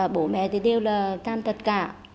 bố mẹ đều tàn tật cả